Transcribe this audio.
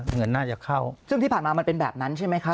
เงินน่าจะเข้าซึ่งที่ผ่านมามันเป็นแบบนั้นใช่ไหมคะ